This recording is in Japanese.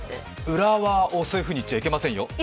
浦和をそういうふうに言っちゃいけませんよ！